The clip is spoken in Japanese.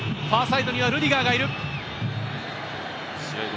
ファーサイドにはルディガーがいる。